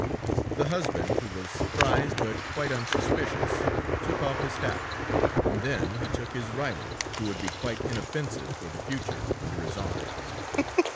"The husband, who was surprised, but quite unsuspicious, took off his hat, and then he took his rival, who would be quite inoffensive for the future, under his arms.